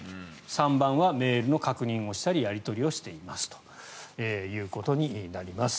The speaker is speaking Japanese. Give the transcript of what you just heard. ３番はメールの確認をしたりやり取りをしていますということになります。